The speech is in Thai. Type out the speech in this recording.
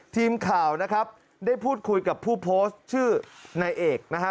ทีมข่าวนะครับได้พูดคุยกับผู้โพสต์ชื่อนายเอกนะฮะ